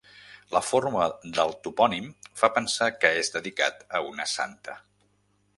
La forma del topònim fa pensar que és dedicat a una santa.